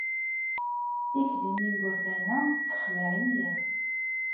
Tikli n yigerdan-a tessexlaɛ-iyi.